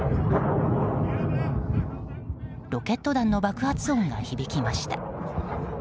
ロケット弾の爆発音が響きました。